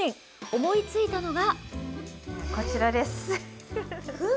思いついたのが。